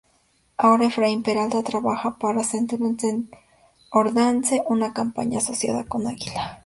Ahora Efraín Peralta trabaja para "Centurion Ordnance", una compañía asociada con Águila.